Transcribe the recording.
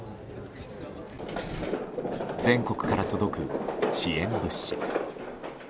全国から届く支援物資。